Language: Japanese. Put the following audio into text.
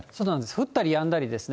降ったりやんだりですね。